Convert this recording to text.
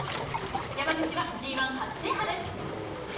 山口はＧ１初制覇です。